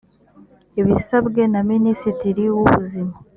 abisabwe na minisitiri w ubuzima